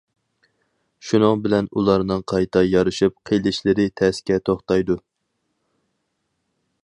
شۇنىڭ بىلەن ئۇلارنىڭ قايتا يارىشىپ قېلىشلىرى تەسكە توختايدۇ.